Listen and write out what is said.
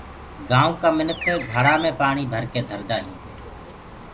گآئونٚ ڪآ مِنک گھڙآ مي پآڻي ڀرڪي ڌردآ هينٚ